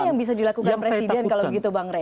apa yang bisa dilakukan presiden kalau begitu bang rey